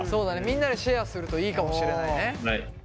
みんなでシェアするといいかもしれないね。